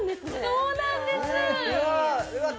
そうなんですうわ